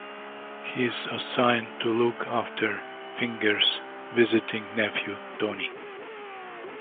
He is assigned to look after Fingers' visiting nephew, Tony.